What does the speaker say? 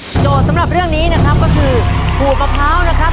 โจทย์สำหรับเรื่องนี้นะครับก็คือขูดมะพร้าวนะครับ